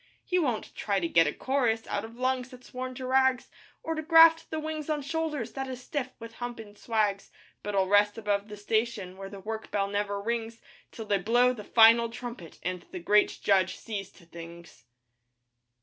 He won't try to get a chorus Out of lungs that's worn to rags, Or to graft the wings on shoulders That is stiff with humpin' swags. But I'll rest about the station Where the work bell never rings, Till they blow the final trumpet And the Great Judge sees to things.